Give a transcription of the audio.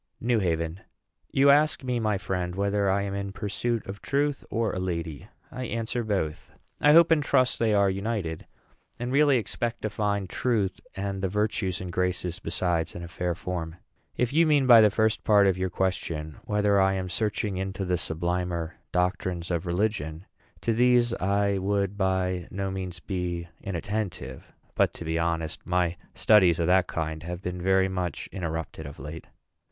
NEW HAVEN. You ask me, my friend, whether I am in pursuit of truth, or a lady. I answer, Both. I hope and trust they are united, and really expect to find Truth, and the Virtues and Graces besides, in a fair form. If you mean by the first part of your question whether I am searching into the sublimer doctrines of religion, to these I would by no means be inattentive; but, to be honest, my studies of that kind have been very much interrupted of late.